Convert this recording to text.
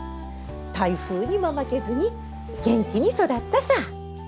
台風にも負けずに元気に育ったさ。